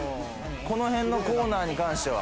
この辺のコーナーに関しては。